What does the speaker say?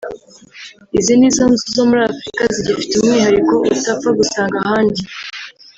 Izi nizo nzu zo muri Afurika zifite umwihariko utapfa gusanga ahandi